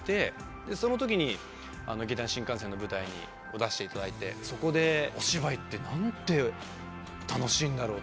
そのときに劇団☆新感線の舞台に出していただいてそこでお芝居ってなんて楽しいんだろうって思って。